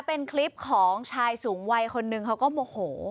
เป็นคลิปของชายสูงวัยคนหนึ่งเขาก็โมโห